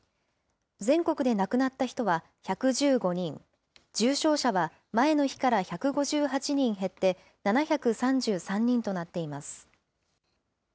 全国で亡くなった人は１１５人、重症者は前の日から１５８人減って７３３人となっています。